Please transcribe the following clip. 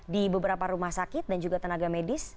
di beberapa rumah sakit dan juga tenaga medis